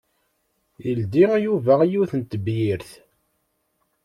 Yeldi Yuba yiwet n tebyirt.